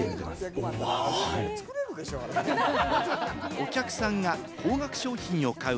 お客さんが高額商品を買う